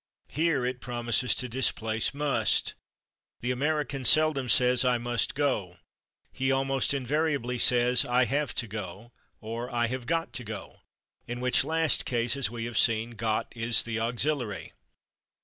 Here it promises to displace /must/. The American seldom says "I /must/ go"; he almost invariably says "I /have/ to go," or "I /have got/ to go," in which last case, as we have seen, /got/ is the auxiliary.